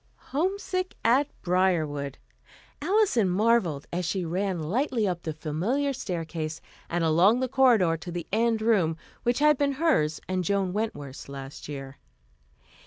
Homesick at Briarwood! Alison marvelled as she ran lightly up the familiar staircase and along the corridor to the end room, which had been hers and Joan Wentworth's last year.